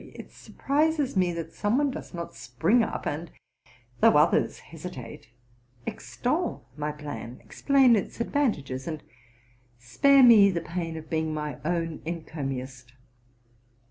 it surprises me that some one does not spring up, and, though others hesitate, extol my plan, explain its advan tages, and spare me the pain of being my own encomiast.